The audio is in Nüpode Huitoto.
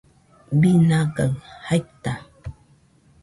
binagai jaita